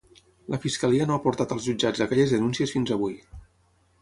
La fiscalia no ha portat als jutjats aquelles denuncies fins avui.